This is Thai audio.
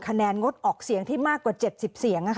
คะแนนงดออกเสียงที่มากกว่า๗๐เสียง